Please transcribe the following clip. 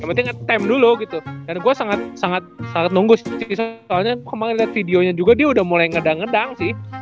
yang penting ngetemp dulu gitu dan gua sangat sangat sangat nunggu sih soalnya kemaren liat videonya juga dia udah mulai ngedang ngedang sih